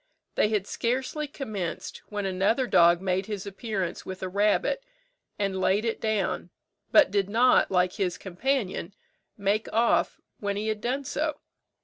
They had scarcely commenced when another dog made his appearance with a rabbit, and laid it down, but did not, like his companion, make off when he had done so.